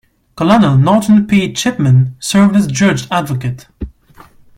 Colonel Norton P. Chipman served as Judge Advocate.